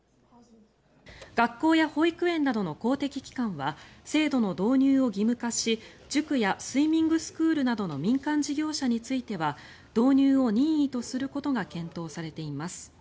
学校や保育園などの公的機関は制度の導入を義務化し塾やスイミングスクールなどの民間事業者については導入を任意とすることが検討されています。